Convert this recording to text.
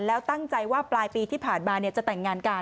แล้วตั้งใจว่าปลายปีที่ผ่านมาจะแต่งงานกัน